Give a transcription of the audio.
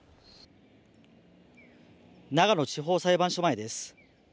長野地方裁判所前です。